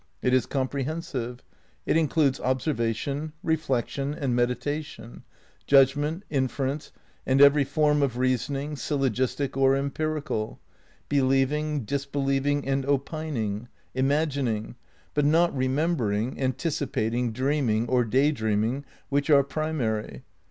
It is comprehensive. It includes observation, reflection and 290 X RECONSTRUCTION OF IDEALISM 291 meditation ; judgment, inference, and every form of rea soning, syllogistic or empirical ; believing, disbelieving and opining ; imagining ; but not remembering, antici pating, dreaming, or day dreaming, wMeh are primary.